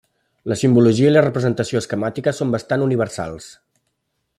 La simbologia i representació esquemàtica són bastant universals.